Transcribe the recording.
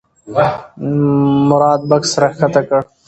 مراد بکس راښکته کړ.